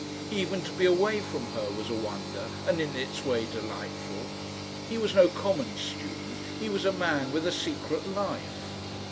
Even to be away from her was a wonder and in its way delightful. He was no common Student, he was a man with a Secret Life.